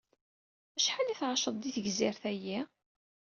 Acḥal i tɛaceḍ di tegzirt-ayi?